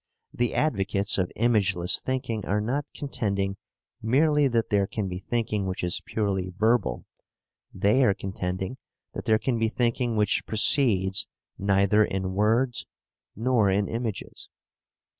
The advocates of imageless thinking are not contending merely that there can be thinking which is purely verbal; they are contending that there can be thinking which proceeds neither in words nor in images.